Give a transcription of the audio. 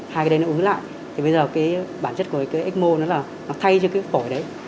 hai cái đấy nó ứng lại thì bây giờ bản chất của cái ecmo nó thay cho cái phổi đấy